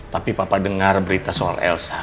tapi papa dengar berita soal elsa